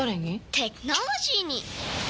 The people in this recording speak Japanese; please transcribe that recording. テクノロジーに！